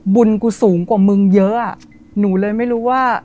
บุญกูสูงกว่ามึงเยอะอ่ะหนูเลยไม่รู้ว่า